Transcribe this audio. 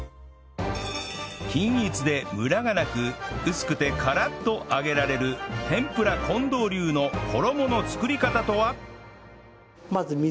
均一でムラがなく薄くてカラッと揚げられるてんぷら近藤流の衣の作り方とは？